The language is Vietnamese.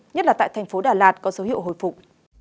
nhất là tại thành phố đà lạt có dấu hiệu hồi phục